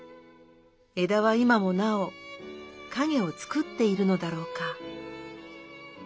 枝は今もなお影をつくっているのだろうか。